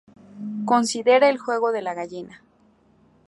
Considere el juego de la gallina.